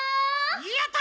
やった！